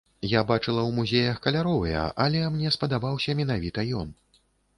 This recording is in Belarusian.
Я бачыла ў музеях каляровыя, але мне спадабаўся менавіта ён.